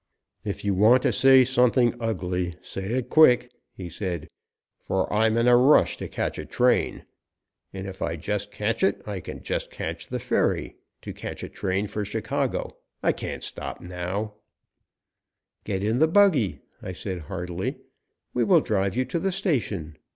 "If you want to say anything ugly, say it quick," he said, "for I'm in a rush to catch a train, and if I just catch it, I can just catch the ferry, to catch a train for Chicago. I can't stop now " "Get in the buggy," I said heartily, "we will drive you to the station.